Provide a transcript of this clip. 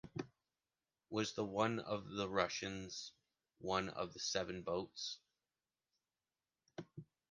Was the one of the Russians one of the seven boats?